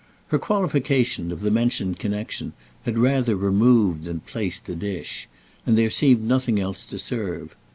Her qualification of the mentioned connexion had rather removed than placed a dish, and there seemed nothing else to serve.